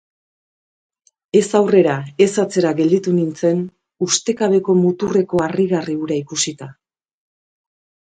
Ez aurrera ez atzera gelditu nintzen ustekabeko muturreko harrigarri hura ikusita.